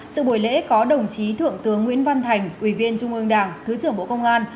sự buổi lễ có đồng chí thượng tướng nguyễn văn thành ủy viên trung ương đảng thứ trưởng bộ công an